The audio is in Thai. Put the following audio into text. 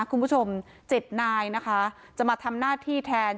คุณผู้ชมจิตนายจะมาทำหน้าที่แทน